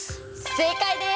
正解です！